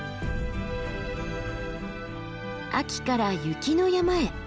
秋から雪の山へ。